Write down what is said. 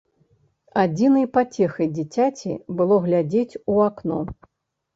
Адзінай пацехай дзіцяці было глядзець у акно.